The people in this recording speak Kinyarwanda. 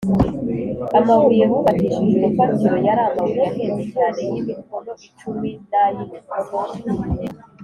Amabuye bubakishije urufatiro yari amabuye ahenze cyane y imikono icumi n ay imikono